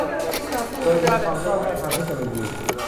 โดยนำความก้าวหน้าทางเทคโนโลยี